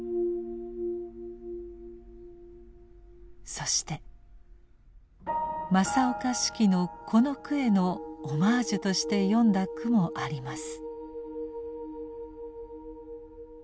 そして正岡子規のこの句へのオマージュとして詠んだ句もあります。